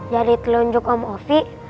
jadi telunjuk om ovi